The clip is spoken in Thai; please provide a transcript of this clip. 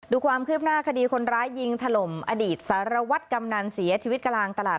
ดูความคืบหน้าคดีคนร้ายยิงถล่มอดีตสารวัตรกำนันเสียชีวิตกลางตลาด